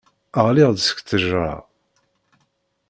Ɣliɣ-d seg ttejra.